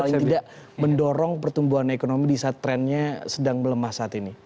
paling tidak mendorong pertumbuhan ekonomi di saat trendnya sedang melemah saat ini